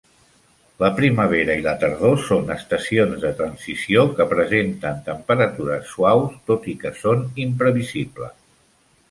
La primavera i la tardor són estacions de transició que presenten temperatures suaus tot i que són imprevisibles.